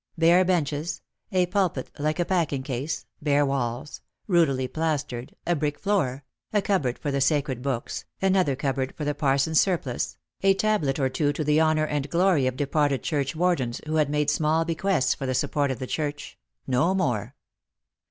Bare benches, a pulpit like a packing case, bare walls, rudely plastered, a brick floor, a cupboard for the sacred books, another cupboard for the parson's surplice, a tablet or two to the honour and glory of departed churchwardens who had made small bequests for the support of the church — no more.